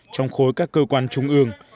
trong khối các cơ quan trung ương